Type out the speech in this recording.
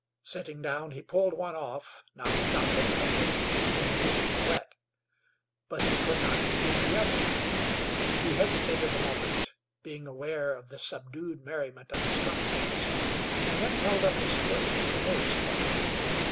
Sitting down, he pulled one off, not without difficulty, for the boots were wet; but he could not remove the other. He hesitated a moment, being aware of the subdued merriment of his comrades, and then held up his foot to the nearest one.